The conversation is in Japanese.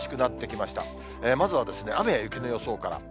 まずは、雨や雪の予想から。